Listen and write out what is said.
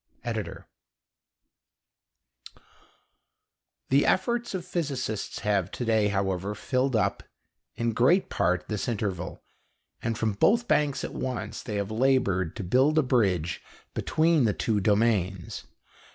ED.] The efforts of physicists have to day, however, filled up, in great part, this interval, and from both banks at once they have laboured to build a bridge between the two domains.